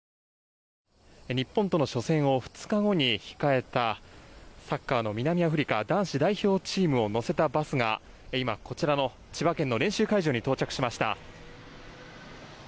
日本との初戦を２日後に控えたサッカーの南アフリカ男子代表チームを乗せたバスが今、こちらの千葉県の練習会場に到着しました。